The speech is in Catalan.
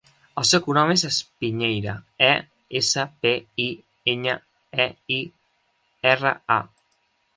El seu cognom és Espiñeira: e, essa, pe, i, enya, e, i, erra, a.